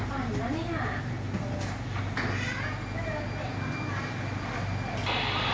เดี๋ยวออก